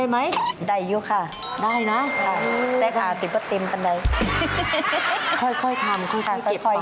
และที่สำคัญเลยคือไทยคลมสำเร็จ